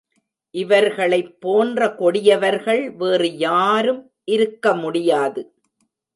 இவர்களைப் போன்ற கொடியவர்கள் வேறு யாரும் இருக்கமுடியாது.